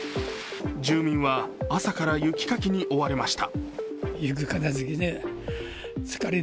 住民は朝から雪かきに追われました。